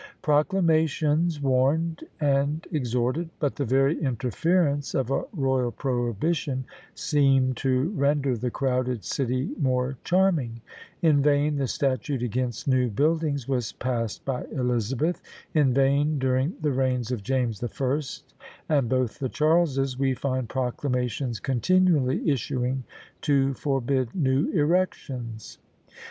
Proclamations warned and exhorted; but the very interference of a royal prohibition seemed to render the crowded city more charming. In vain the statute against new buildings was passed by Elizabeth; in vain during the reigns of James the First and both the Charleses we find proclamations continually issuing to forbid new erections.